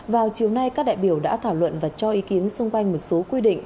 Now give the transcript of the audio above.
vào chiều nay các đại biểu đã thảo luận và cho ý kiến xung quanh một số quy định